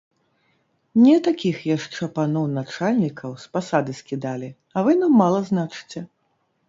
Не такіх яшчэ паноў начальнікаў з пасады скідалі, а вы нам мала значыце!